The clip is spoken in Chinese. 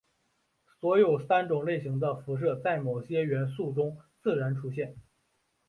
所有三种类型的辐射在某些元素中自然出现。